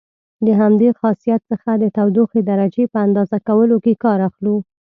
د همدې خاصیت څخه د تودوخې درجې په اندازه کولو کې کار اخلو.